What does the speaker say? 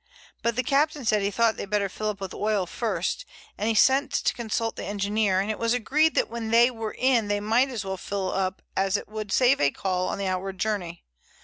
But the captain said he thought they had better fill up with oil first, and he sent to consult the engineer, and it was agreed that when they were in they might as well fill up as it would save a call on the outward journey.